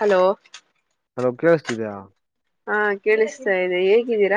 Hello hello ಕೇಳಿಸತಿದ್ಯಾ ಹಾ ಕೇಳಿಸ್ತಾ ಇದೆ ಹೇಗಿದ್ದೀರ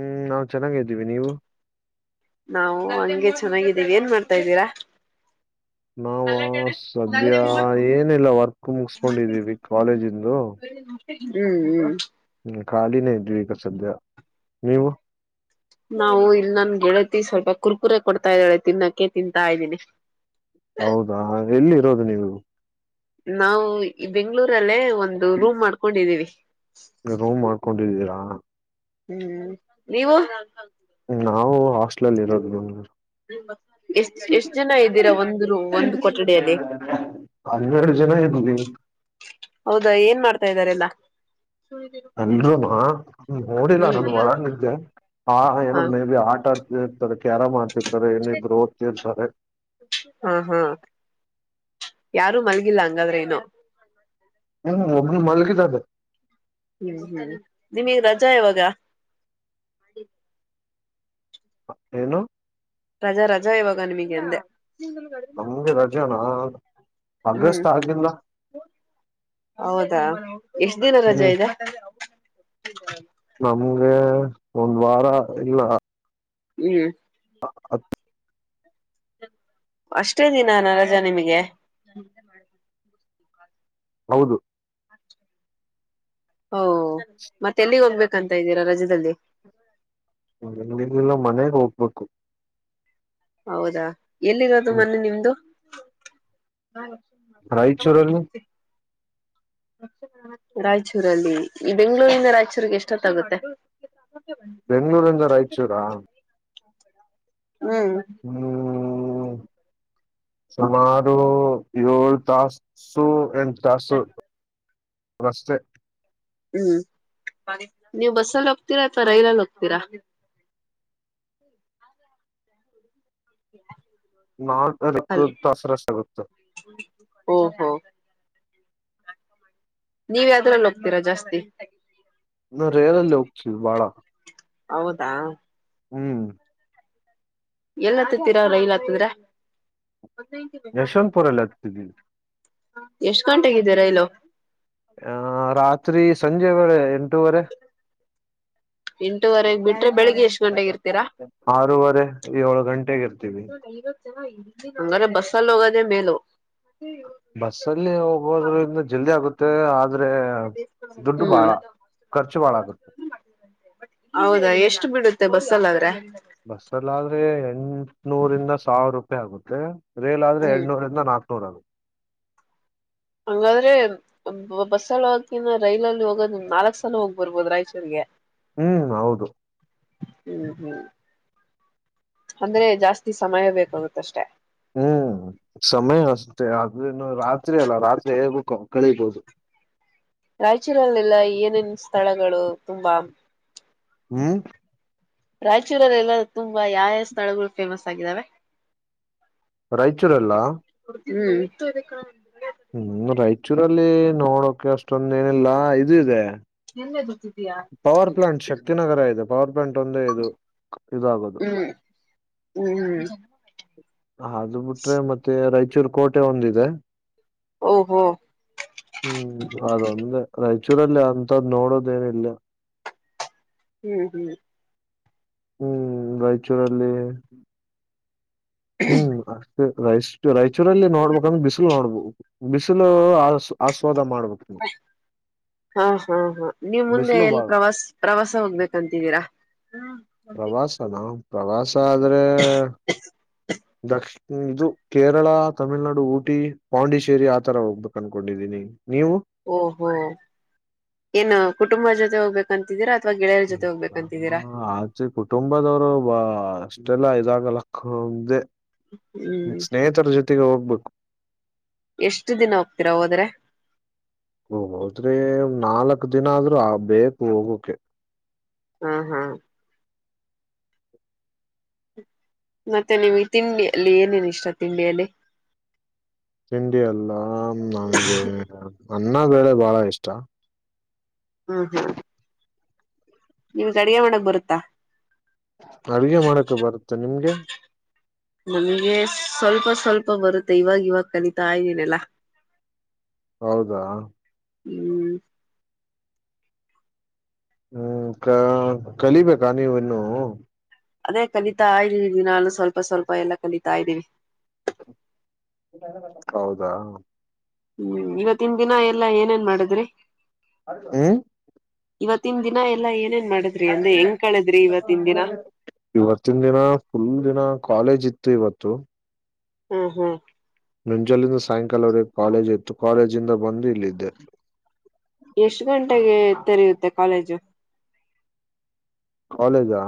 ಹ್ಮ್ ನಾವು ಚೆನ್ನಾಗ್ದೀವಿ ನೀವು ನಾವು ಹಂಗೆ ಚೆನ್ನಾಗಿದ್ದೀವಿ ಏನ್ ಮಾಡ್ತಾ ಇದ್ದೀರಾ ನಾವ ಸದ್ಯ ಏನಿಲ್ಲ ವರ್ಕ್ ಮುಗಸ್ಕೊಂಡಿದ್ದೀವಿ ಕಾಲೇಜಿಂದು ಹ್ಮ್ ಹ್ಮ್ ಹ್ಮ್ ಖಾಲಿನೆ ಇದೀವಿ ಸದ್ಯ ನೀವು ನಾವು ಇಲ್ ನನ್ ಗೆಳತಿ ಸ್ವಲ್ಪ ಕುರ್ಕುರೆ ಕೊಡ್ತಾ ಇದ್ದಾಳೆ ತಿನ್ನೋಕ್ಕೆೆ ತಿಂತ ಇದ್ದೀನಿ ಹೌದಾ ಎಲ್ಲಿ ನೀವು ನಾವು ಬೆಂಗಳೂರು ಲ್ಲೇ ಒಂದು ರೂಮ್ ಮಾಡ್ಕೊಂಡಿದ್ದೀವಿ ರೂಮ್ ಮಾಡ್ಕೊಂಡಿದ್ದೀರ ಹಾ ಹ್ಮ್ ನೀವು ನಾವು ಹಾಸ್ಟ್ಲಲ್ಲಿ ಇರೋದು ಮಂಗ್ಗಳೂರು ಎಷ್ಟ ಎಷ್ಟ್ ಜನ ಇದ್ದೀರಾ ಒಂದ್ ಒಂದ್ ಕೊಠಡಿಯಲ್ಲಿ ಹನ್ನೆರಡು ಜನ ಇದ್ವಿ ಹೌದಾ ಏನ್ ಮಾಡ್ತ ತ ಇದ್ದಾರೆಲ್ಲ ಅಲ್ರಮ್ಮ ನೋಡಿಲ್ಲ ಹ್ಮ್ ನಂದು ಹೊರಿದ್ದೆ ಆ ಹಾ ಏನಂದ್ ಮೇ ಬಿ ಆಟ ಆ ಹ್ಮ ಕ್ಯಾರ ಮಾಡ್ತಿರ್ತಾರೆ ನಿ ಗ್ರೋತ್ ಇರ್ತಾರೆ ಯಾರೂ ಮಲ್ಗಿಲ್ಲ ಹಂಗಾದ್ರೆ ನೋ ಹ್ಮ ಒಬ್ ಮಲ್ಕಿದ್ದದೆ ಹ್ಮ್ ಹ್ಮ್ ನಿಮಗ್ ರಜಾ ಯಾವಾಗ ಏನು ರಜಾ ರಜಾ ಇವಾಗ ನಿಮಗೆ ಅಂದೆ ನಮ್ಗೆ ರಜಾನಾ ಹ್ಮ್ ಆಗಸ್ಟ್ ಆಗಿಲ್ಲ ಹೌದಾ ಎಷ್ಟ ದಿನ ರಜೆ ಹ್ಮ್ ಇದೆ ನಿಮ್ಗೆ ಒಂದ್ ವಾರ ಇಲ್ಲ ಹ್ಮ್ ಹ ಹ ಅಷ್ಟೇ ದಿನ ನರಜ ನಿಮಗೆ ಹೌದು ಓ ಮತ್ತೆ ಎಲ್ಲಿಗೆ ಹೋಗ್ಬೇಕಂತ ಇದ್ದೀರಾ ರಜದಲ್ಲಿ ನ್ಲ್ಲ ಮನೆಗ್ ಹೋಗ್ಬೇಕು ಹೌದಾ ಎಲ್ಲಿರೋದು ಹ್ಮ್ ಮೊನ್ನೆ ನಿಮ್ದು ಹ್ಮ ರಾಯಚೂರುಲ್ಲಿ ರಾಯಚೂರಲ್ಲಿ ಈ ಬೆಂಗ್ಗಳೂರಿಂದ ರಾಯಚೂರಿಗೆ ಎಷ್ಟೊತ್ತಾಗುತ್ತೆ ಬೆಂಗಳೂರಿಂದ ರಾಯಚೂರಾ ಹ್ಮ್ ಹ್ಮ ಸುಮಾರು ಏಳ ತಾಸು ಎ ಸ ಸು ರಸ್ತೆ ಹ್ಮ್ ನೀವು್ ಬಸ್ಸಲ್ಲಿ ಹೋಗ್ತೀರಾ ಅಥವಾ ರೈಲಲ್ಲಿ ಹೋಗ್ತೀರಾ ಹ ನ ಅದಕ್ಕ ದ ಸರ ಸಗತ ಓಹೋ ನೀವ ಯ್ದ್ರಲ್ಲಿ ಹೋಗ್ತೀರಾ ಜಾಸ್ತಿ ನ ರೇಯಲ್ ಲೋಕ ಚ ಭಾಳ ಹೌದಾ ಹ್ಮ್ ಎಲ್ಲ ಹತ್ತತ್ತೀರಾ ರೈಲ್ ಹತ್ತಿದ್ರ ಯಶ್ವಂತ್ ಪಲ್ಲತೀದ್ದವಿ ಎಷ್ಟ್ ಗಂಟೆಗಿದ್ದೀರಾ ಇಲ್ಲ ಆ ರಾತ್ ಸ್ರಿ ಸಂಜೆವರ ಎ ಎಂಟುವರೆಗೆ ಬಿಟ್ರೆ ಬೆಳಗ್ಗೆ ಎಷ್ಟ್ ಗಂಟೆಗೆ ಇರ್ತೀರಾ ಆರೂವರೆ ಏಳು ಗಂಟೆಗೆ ಇರ್ತೀವಿ ಬಸ್ಲ್ಲಿ ಹ ಮೇಲ ಬಸ್ಸಲ್ಲಿ ಹೋಗಬೋದ್ರಿಂದ ಜಲ್ದಿ ಆಗುತ್ತೆ [inaudible] [inaudible] ದುಡ್ಡು ಹ್ಮ ಬಾಳ ಖರ್ಚು ಬಾಳ ಆಗುತ್ತೆ ಹೌದಾ ಎಷ್ಟು ಬಿಡುತ್ತೆ ಬಸಲ್ಲಾಗ್ರೆ ಬಸ್ಸ ಎಲ್ಲ ಆದ್ರೆ ಎಂಟ್ನೂರಿಂದ ಸಾವಿರ ರೂಪಾಯಿ ಆಗುತ್ತೆ ರೇಲ್ ಆದ್ರೆ ಹ್ಮ್ ಎರಡ್ನೂರಿಂದ ನಾಲ್ಕು ಸೋರ ರ ಹಂಗಾದ್ರೆ ಬಸ್ಸಲ್ಲಿ ಹಾಕಿನ ರೈಲಲ್ಲಿ ಹೋಗದ ನಾಲ್ಕ್ ಸಲ ಹೋಗ್ ಬರ್ಬೋದು ರಾಯಚೂರ್ಗೆ ಹ್ಮ್ ಹೌದು ಹ್ಮ್ ಹ್ಮ್ ಅಂದ್ರೆ ಜಾಸ್ತಿ ಸಮಯ ಬೇಕಾಗುತ್ತಷ್ಟೆ ಹ್ಮ್ ಸಮಯ ಅಷ್ಟೆ ಆದ್ರನು ರಾತ್ರಿ ಅಲ್ಲ ರಾತ್ರಿ ಹೇಳ್ಬೇಕ ಕಳೀಬೋದು ರಾಯಚೂರಲ್ಲೆಲ್ಲ ಏನೇನ್ ಸ್ಥಳಗಳು ತುಂಬಾ ಹ್ಮ್ ರಾಯಚೂರಲ್ಲ ಎಲ್ಲ ತುಂಬಾ ಯಾವ್ಯಾವ ಸ್ಥಳಗಳು ಫೇಮಸ್ ಆಗಿದ್ದಾವೆ ರಾಯಚೂರೆಲ್ಲಾ ಹ್ಮ್ ಹ್ಮ್ ರಾಯಚೂರಲ್ಲಿ ನೋಡೋಕ ಅಷ್ಟೊಂದ ಏನಿಲ್ಲ ಇದು ಇದೆ ಎಲ್ಲ ಪವರ್ ಪ್ಲಾಂಟ್ ಶಕ್ತಿನಗರ ಇ ಗೌರ್ಮೆಂಟ್ ಒಂದೇ ಇದು. ಇದಾಗದು ಹ್ಮ್ ಹ್ಮ್ ಅದು ಬುಟ್ರೆ ಮತ್ತೆ ರಾಯಚೂರ್ ಕೋಟೆ ಒಂದಿದೆ ಓಹೋ ಹ್ಮ್ ಅದೊಂದೆ ರಾಯ. ಚೂರಲ್ಲಿ ಅಂತದ್ ನೋಡೋದ ಏನ ಇಲ್ಲ ಹ್ಮ್ ಹ್ಮ್ ಹ್ಮ್ ರಾಯಚೂರಲ್ಲಿ ಹ್ಮ್ ಅಷ್ಟತ ರೈಸ್ ರಾಯಚೂರಲ್ಲಿ ನೋಡ್ಬೇಕಂದ್ರ್ ಬಿಸಿಲು ನೋಡ್ಬು ಬಿಸಿಲು ಆ ಆಸ್ವಾದ ಮಾಡುವುದು. ಹಾ ಹಾ ಹಾ ನೀವು ಮುಂದೆ ಬಿಸಿಲು ಎಲ್ಲಿ ಬಾಳ ಪ್ರವಾಸ ಪ್ರವಾಸ ಹೋಗ್ಬೇಕಂತಿದ್ದೀರಾ. ಪ್ರವಾಸನಾ ಪ್ರವಾಸ ಆದ್ರೆ ದ. ಹ್ಮ ಇದು ಕೇರಳ ತಮಿಳ್ನಾಡು ಊಟಿ ಪಾಂಡಿಚೇರಿ ಆತರ ಹೋಗ್ಬೇಕು ಅನ್ಕೊಂಡಿದ್ದೀನಿ. ಓ ಹೋ ಏನ್ ಕು. ಟುಂಬ ಜೊತೆ ಹೋಗಬೇಕಂತಿದೀರ. ಆಚೆ ಕುಟುಂಬದವರು ಬಾ. ಇದಲ್ಲ ಇದಾಗ ಲಕ್ಕ ಒಂದೆ. ಹ್ಮ್ ಸ್ನೇಹಿತರ ಜೊತೆಗೆ ಹೋಗ. ಬಕ್. ಎಷ್ಟು ದಿನ ಹೋಗ್ತೀರಾ ಹೋದ್ರೆ. ಹೋದ್ರೆ ನಾಲ್ಕ್ ದಿನ ಆದ್ರೂ ಆ ಬೇಕು ಹೋಗಕೆ. ಹಾ ಹಾ. ಮತ್ತೆ ನಿಮಗೆ ತಿಂಡಿಯಲ್ಲಿ ಏನೇನು ಇಷ್ಟ ತಿಂಡಿಯಲ್ಲಿ. ತಿಂಡಿಯಲ್ಲಾ ನನಗೆ. ಅನ್ನ ಬೇಳೆ ಬಾಳ ಇಷ್ಟ. ಹ್ಮ್ ಹ್ಮ್. ನಿಮ್ಗ್ ಅಡಗೆ ಮಾಡಕ್ ಬರುತ್ತಾ. ಅಡುಗೆ ಮಾಡಕೆ ಬರುತ್ತೆ ನಿಮ್ಗೆ. ನಮ್ಗೆ ಸ್ವಲ್ಪ ಸ್ವಲ್ಪ ಬರುತ್ತೆ ಇವಾಗ ಇವಾಗ ಕಲಿತಾ ಇದಿನೆಲ್ಲಾ. ಹೌದಾ. ಹ್ಮ್. ಹ್ಮ್ ಕ ಕಲಿಬೇಕಾ ನೀವಿನ್ನೂ. ಅದೇ ಕಲಿತಾ ಇದ್ದೀವಿ ದಿನಾನು ಸ್ವಲ್ಪ ಸ್ವಲ್ಪ ಎಲ್ಲ ಕಲಿತಾ ಇದ್ದೀವಿ. ಹೌದಾ. ಹ್ಮ್ ಇವತ್ತಿನ್ ದಿನಾ ಎಲ್ಲಾ ಏನೇನ್ ಮಾಡಿದ್ರಿ. ಹ್ಮ. ಇವತ್ತಿನ ದಿನ ಎಲ್ಲಾ ಏನೇ. ಇವತ್ತಿನ ದಿನ ಫುಲ್ ದಿನ ಕಾಲೇಜ್ ಇತ್ತು. ಇವತ್ತು. ಹ್ಮ್ ಹ್ಮ್. ನುಂಜಾಲಿಂದ ಸಾಯಂಕಾಲವರಗ್ ಕಾಲೇಜ್ ಇತ್ತು ಕಾಲೇಜಿಂದ ಬಂದು ಇಲ್ಲಿದ್ದೆ. ಎಷ್ಟ ಗಂಟೆಗೆ ತೆರೆಯುತ್ತೆ ಕಾಲೇಜು. ಕಾಲೇಜಾ.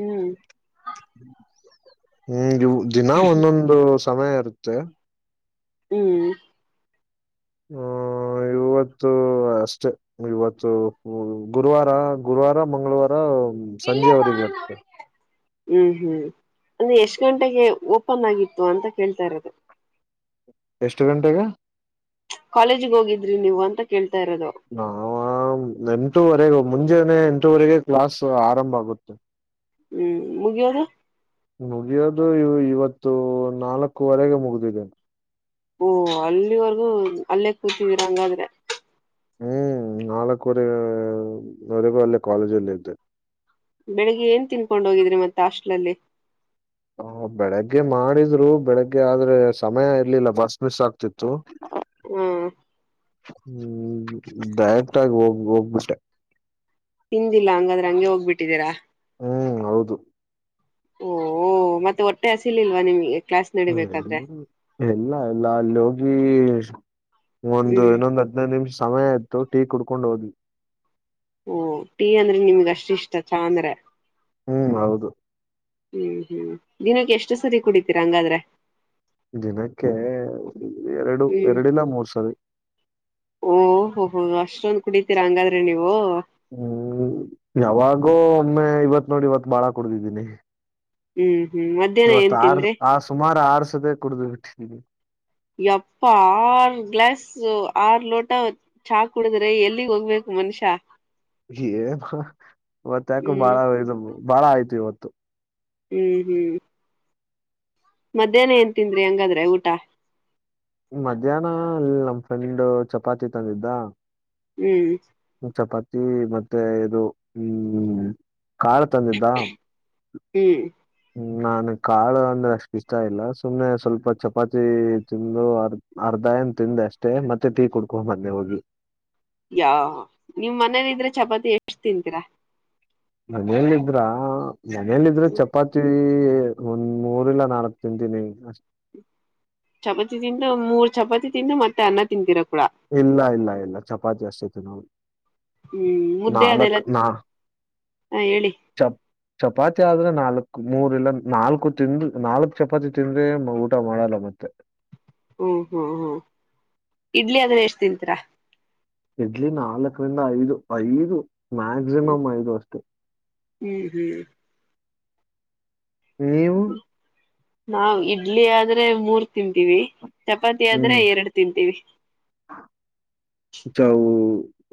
ಹ್ಮ್. ಹ್ಮ್ ಇವ. ದಿನ ಒಂದೊಂದು. ಸಮಯ ಇರುತ್ತೆ. ಹ್ಮ್. ಹ ಇವತ್ತು ಅಷ್ಟೇ ಇವತ್ತು ಗುರುವಾರ ಗುರುವಾರ ಮಂಗಳವಾರ. ಹ್ಮ್ ಸಂಜೆ ಅವರಿರಿಗೆ ಇರ್ತ. ಹ್ಮ್ ಹ್ಮ್ ಅಂದ್ರೆ ಎಷ್ಟ ಗಂಟೆಗೆ ಓಪನ್ ಆಗಿತ್ತು ಅಂತ ಕೇಳ್ತಾ ಇರೋದು. ಎಷ್ಟ ಗಂಟೆಗೆ. ಕಾಲೇಜಿಗ್ ಹೋಗಿದ್ರಿ ನೀವು ಅಂತ ಕೇಳ್ ನಾವ ನಂಟೂುವರೆಗ್ ಮುನ್ ಮುಂಜಾನೆ ಎಂಟುವರೆಗೆ ಕ್ಲಾಸ್ ಆರಂಭ ಆಗುತ್ತೆ. ಹ್ಮ್ ಮುಗ್ಯೋದು. ಮುಗ್ಯೋದು ಇವ್ ಇವತ್ತು ನಾಲ್ಕುವರೆಗೆ ಮುಗಿದಿದೆ. ಓಹ ಅಲ್ಲಿವರ್ಗೂ ಅಲ್ಲೇ ಕೂತಿದೀರ ಹಂಗಾದ್ರೆ. ಹ್ಮ್ ನಾಲ್ಕವರೆಗೆ ವರಗು ಅಲ್ಲೇ ಕಾಲೇಜಲ್ಲೆ ಇದ್ದೆ. ಬೆಳಿಗ್ಗೆ ಏನ್ ತಿನ್ಕೊಂಡ್ ಹೋಗಿದ್ರಿ ಮತ್ತ ಆಸ್ಟ್ಲಲ್ಲಿ. ಹ ಬೆಳಗ್ಗೆ ಮಾಡಿದ್ರು ಬೆಳಗ್ಗೆ ಆದ್ರೆ ಸಮಯ ಇರ್ಲಿಲ್ಲ ಬಸ್ ಮಿಸ್ ಆಗ್ತಿತ್ತು. ಹ್ಮ ಹ್ಮ್ ಡೈರೆಕ್ಟ್ ಆಗ್ ಹೋಗ್ ಹೋಗ್ಬಿಟ್ಟೆ. ತಿಂದಿಲ್ಲ ಹಂಗಾದ್ರೆ ಹಂಗೆ ಹೋಗ್ಬಿಟ್ಟಿದ್ದೀರಾ. ಹ್ಮ್ ಹೌದು. ಓ ಮತ್ತೆ ಹೊಟ್ಟೆ ಹಸಿಲಿಲ್ವಾ ನಿಮ್ಗೆ. ಕ್ಲಾಸ್ ಹ್ಮ ನಡಿಬೇಕಾದ್ರೆ ಎ ಎಲ್ಲ ಎಲ್ಲ ಲೋಗಿ. [unintelligible] ಒಂದು ಹ್ಮ್ ಇನ್ನೊಂದ್ ಹದ್ನೈದ್ ನಿಮ್ಷ್ ಸಮಯ ಇತ್ತು ಟೀ ಕುಡ್ಕೊಂಡ್ ಹೋಗಿ. ಓ ಟೀ ಅಂದ್ರೆ ನಿಮ್ಗ ಅಷ್ಟ ಇಷ್ಟ ಚಾ ಅಂದ್ರೆ. ಹ್ಮ್ ಹೌದು. ಹ್ಮ್ ಹ್ಮ್ ದಿನಕ್ ಎಷ್ಟು ಸರಿ ಕುಡಿತೀರಾ ಹಂಗಾದ್ರೆ. ದಿನಕ್ಕೆ ಎರಡು ಹ್ಮ್ ಎರಡಿಲ್ಲ ಮೂರ್ ಸರಿ. ಓ ಹೂ ಹೋ ಅಷ್ಟೊಂದ್ ಕುಡಿತೀರಾ ಹಂಗಾದ್ರೆ ನೀವು. ಹ್ಮ್ ಯಾವಾಗೋ ಒಮ್ಮೆ ಇವತ್ ನೋಡಿ ಇವತ್ ಭಾಳ ಕುಡ್ದಿದ್ದೀನಿ. ಹ್ಮ್ ಮಧ್ಯಾಹ್ನ ಇವತ್ ಏನ್ ಆರ್ ತಿಂದ್ರಿ ಆ ಸುಮಾರ್ ಆರ್ ಸದೆ ಕುಡ್ದ್ ಬಿಟ್ಟಿದೀವಿ. ಯಪ್ಪ ಆರ್ ಗ್ಲಾಸು ಆರ್ ಲೋಟ ಚಾ ಕುಡಿದ್ರೆ ಎಲ್ಲಿಗ್ ಹೋಗ್ಬೇಕು ಮನುಷ್ಯ. ಹೆ ಕೊ ಮತ್ ಯಾಕೊ ಹ್ಮ್ ಭಾಳಮ್ ಎಕ್ಸಾಮು. ಬಾಳ ಆಯ್ತು ಇವತ್ತು. ಹ್ಮ್ ಹ್ಮ್ ಮಧ್ಯಾಹ್ನ ಏನ್ ತಿಂದ್ರಿ ಹಂಗಾದ್ರೆ ಊಟ ಮಧ್ಯಾಹ್ನ ಅಲ್ಲಿ ನಮ್ ಫ್ರೆಂಡ್ ಚಪಾತಿ ತಂದಿದ್ದ ಹ್ಮ್ ಚಪಾತಿ ಮತ್ತೆ ಇದು ಹ್ಮ್. ಕಾಳ್ ತಂದಿದ್ದಾ. ಹ್ಮ್ ಹ್ಮ ನಾನ್ ಕಾಳು ಅಂದ್ರೆ ಅಷ್ಟ್ ಇಷ್ಟ ಇಲ್ಲ ಸುಮ್ನೆ ಸ್ವಲ್ಪ ಚಪಾತಿ ತಿಂದು ಅರ್ ಅರ್ಧ ಏನ್ ತಿಂದೆ ಅಷ್ಟೇ ಮತ್ತೆ ಟೀ ಕುಡ್ಕೊ ಮನ್ನೆ ಹೋಗಿ. ಯ ನಿಮ್ ಮನೇಲಿ ಇದ್ರೆ ಚಪಾತಿ ಎಷ್ಟ ತಿಂತೀರಾ. ಮನಲ್ಲಿದ್ರ ಅ. ಮನೇಲ್ ಇದ್ರು ಚಪಾತಿ ತೆ ಒಂದ್ ಮೂರ್ಯಿಲ್ಲ ನಾಲ್ಕ್ ತಿಂತೀನಿ ಅಷ್ಟ್. ಚಪಾತಿ ತಿಂದು ಮೂರ್ ಚಪಾತಿ ತಿಂದು ಮತ್ತೆ ಅನ್ನ ತಿಂತಿರಾ ಇಲ್ಲ ಇಲ್ಲ ಇಲ್ಲ ಚಪಾತಿ ಜಾಸ್ತಿ ಜನವು ಹ್ಮ್ ಮುದ್ದೆ ಅದೆಲ್ಲ ನಾ ಹಾ ಹೇಳಿ ತ್ತೆ ಆದ್ರೆ ನಾಲ್ಕು ಮೂರ್ ಇಲ್ಲ ನಾಲ್ಕು ತಿಿಂದ ನಾಲ್ಕು ಚಪಾತಿ ತಿಂದ್ರೆ ಊಟ ಮಾಡಲ್ಲ ಮತ್ತೆ ಹ್ಮ್ ಹ್ಮ್ ಹ್ಮ್ ಇಡ್ಲಿ ಆದ್ರೆ ಎಷ್ಟ್ ತಿಂತರಾ ಇಡ್ಲಿ ನಾಲ್ಕರಿಂದ ಐದು ಐದು ಮಾಕ್ಸಿಮಂ ಐದು ಅಷ್ಟೇ ಹ್ಮ್ ಹ್ಮ್ ನೀವು ನಾವ್ ಇಡ್ಲಿ ಆದ್ರೆ ಮೂರ್ ತಿಂತೀವಿ ಚಪಾತಿ ಹ್ಮ್ ಆದ್ರೆ ಎರಡು ತಿಂತೀವಿ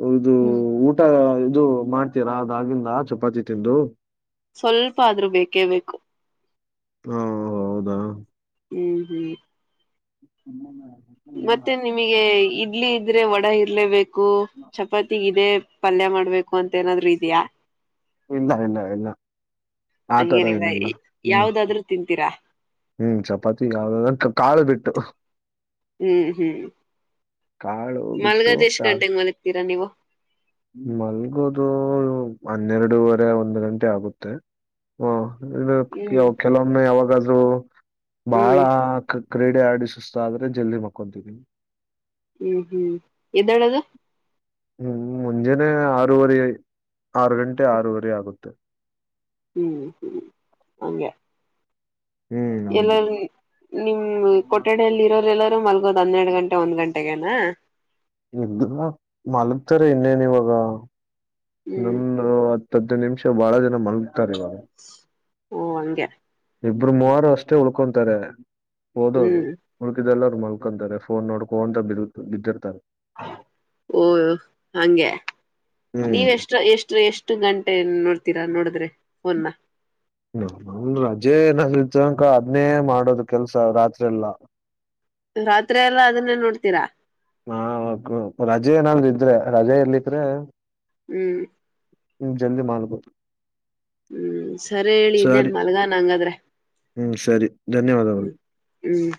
ಹೌದು ಹ್ಮ್ ಊಟ ಇದು ಮಾಡ್ತೀರಾ ಅದಾಗಿಂದ ಚಪಾತಿ ತಿಂದು ಸ್ವಲ್ಪ ಆದ್ರೂ ಬೇಕೇ ಬೇಕು ಹಾ ಹೌದಾ ಹ್ಮ ಹ್ಮ [inaudible] ಮತ್ತೆ ನಿಮಗೆ ಇಡ್ಲಿ ಇದ್ರೆ ಒ ಹಿಲೆ ವ ಕೂ ಚಪಾತಿಗಿದೆ ಪಲ್ಯ ಮಾಡ್ಬೇಕು ಅಂತ ಏನಾದ್ರೂ ಇದ್ಯಾ ಇಲ್ಲ ಇಲ್ಲ ಇಲ್ಲ ಆ ತರ ಹಂಗೇನಿಲ್ಲ ಏನೆಲ್ಲ ಹ್ಮ್ ಯಾವ್ದಾದ್ರು ತಿಂತೀರಾ ಹ್ಮ್ ಚಪಾತಿ ಯಾವ್ದ ಕಾಳು ಬಿಟ್ಟು ಹ್ಮ್ ಹ್ಮ್ ಕಾಳು ಬಿಟ್ಟು ಮಲ್ಗದೆಷ್ಟ ಯಾವ್ದ್ ಗಂಟೆಗ ಮಲಗ್ತೀರಾ ನೀವು ಮಲ್ಗೋದು ಹನ್ನೆರಡುವರೆ ಒಂದು ಗಂಟೆ ಆಗುತ್ತೆ ಹ್ಮ್ ಹ ಕೆಲವೊಮ್ಮೆ ಆವಾಗ ಹ ಬಾಳ ಹ್ಮ್ ಕ್ರೀಡೆ ಆಗಿ ಸುಸ್ತು ಆದ್ರೆ ಜಲ್ದಿ ಮಕ್ಕೊಂತಿವಿ ಹ್ಮ್ ಹ್ಮ್ ಎದ್ದೇಳದು ಹ್ಮ್ ಮುಂಜಾನೆ ಆರವರಿ ಆರು ಗಂಟೆ ಆರೂವರೆ ಆಗುತ್ತೆ ಹ್ಮ್ ಹ್ಮ್ ಹಂಗೆ ಹ್ಮ್ ಹೌದು ಎಲ್ಲರ ನಿಮ ಕೊಠಡಿಯಲ್ಲಿ ಇರೋರೆ ಎಲ್ಲರೂ ಮಲ್ ಗ್ ಹನ್ನೆರಡು ಗಂಟೆ ಒಂದ್ ಗಂಟೆಗೆನಾ ಇದ್ದ ಮಲಗ್ತಾರೆ ಇನ್ನೇನ್ ಇವಾಗ ಹ್ಮ್ ನನ್ನ ಹದಿನೈದು ನಿಮಿಷ ಬಾಳ ಜನ ಮಲ್ ತ್ತರವ ಓ ಹಂಗೆ ಇಬ್ರು ಮೂವರು ಅಷ್ಟೇ ಉಳ್ಕೊಂತಾರೆ ಓದೋದು ಹ್ಮ್ ಉಳ್ಕಿದೆಲ್ಲ ಮಲ್ಕೊಂತಾರೆ ಫೋನ್ ನೋಡ್ಕೋಂತ ಬ ಬಿದ್ದಿರ್ತಾರೆ ಓ ಹಂಗೆ ಹ್ಮ್ ನೀವೆ ಎಷ್ಟ ಎಷ್ಟ ಎಷ್ಟು ಗಂಟೆ ನೋಡ್ತ ತೀರ ನೋಡ್ದ್ರೇ ನ ರಜೆ ಏನ ತನಕ ಅದನೇ ಮಾಡೋದು ಕೆಲ್ಸ ರಾತ್ರಿ ಎಲ್ಲ ರಾತ್ರಿ ಎಲ್ಲ ಅದನ್ನೇ ನೋಡ್ತೀರಾ ನಾ ರಜೆ ಏನಲ್ ಇದ್ರೆ ರಜೆ ಇರ್ಲಿಿಕ್ರೆ ಹ್ಮ್ ನಿಮ್ ಜಲ್ದಿ ಮಾಡ್ಬೋದು ಹ್ಮ್ ಸರಿ ಹೇಳಿ ಇನ್ನೇನ್ ಸರಿ ಮಲ್ಗನ್ ಹಂಗಾದ್ರೆ ಹ್ಮ್ ಸರಿ ಧನ್ಯವಾದಗಳು ಹ್ಮ್ ಹ್ಮ್